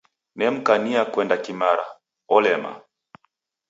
Nemkania kuenda kimara, olema.